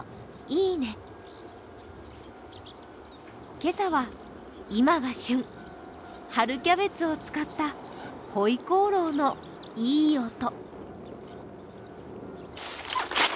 今朝は今が旬、春キャベツを使ったホイコーローのいい音。